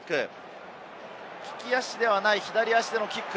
利き足ではない左足でのキック。